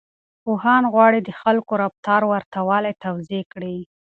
پوهان غواړي د خلکو د رفتار ورته والی توضيح کړي.